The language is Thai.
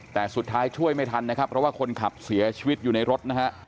แต่สุดท้ายช่วยไม่ทันนะครับเพราะว่าคนขับเสียชีวิตอยู่ในรถนะฮะ